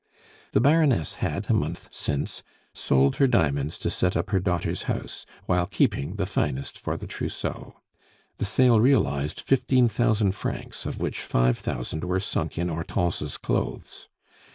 The Baroness had, a month since, sold her diamonds to set up her daughter's house, while keeping the finest for the trousseau. The sale realized fifteen thousand francs, of which five thousand were sunk in Hortense's clothes.